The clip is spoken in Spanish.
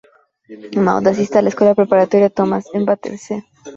Maud asiste a la escuela Preparatoria Thomas, en Battersea.